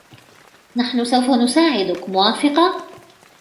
نحنُ سوفَ نُساعدكِ, موافقة ؟